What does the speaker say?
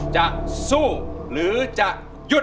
จะสู้หรือจะหยุด